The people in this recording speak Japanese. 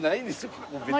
ここ別に。